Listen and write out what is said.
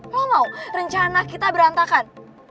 kalau mau rencana kita berantakan